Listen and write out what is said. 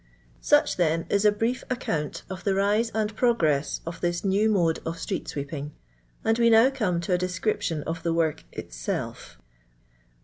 Such, then, is n brief account of tho rise and progress of this new mode of street sweeping, and we now come to a description of the work itself.